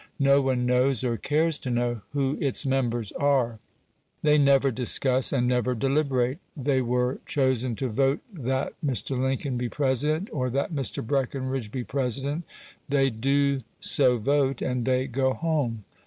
No one knows, or cares to know, who its members are. They never discuss, and never deliberate. They were chosen to vote that Mr. Lincoln be President, or that Mr. Breckenridge be President; they do so vote, and they go home.